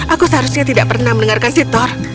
aku seharusnya tidak pernah mendengarkan sitor